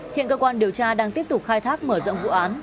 hiện cơ quan điều tra đang tiếp tục khai thác mở rộng vụ án